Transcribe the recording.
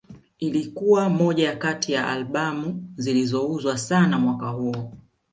Ilikuwa moja kati ya Albamu zilizouzwa sana mwaka huo